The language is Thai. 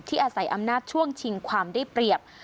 อาศัยอำนาจช่วงชิงความได้เปรียบ